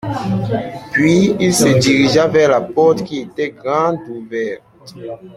Puis, il se dirigea vers la porte qui était grande ouverte.